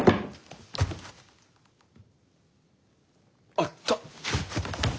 あった！